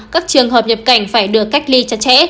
các trường hợp nhập cảnh phải được cách ly chặt chẽ